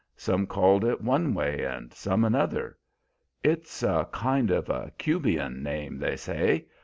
Some called it one way and some another. It's a kind of a Cubian name, they say.